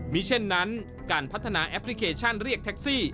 มีเช่นนั้นการพัฒนาแอปพลิเคชันเรียกแท็กซี่